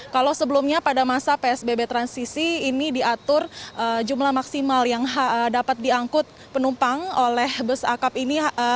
kalau sebelumnya pada masa psbb transisi ini diatur jumlah maksimal yang dapat diangkut penumpang oleh bus akap ini